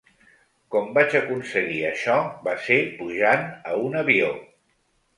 Com vaig aconseguir això, va ser pujant a un avió.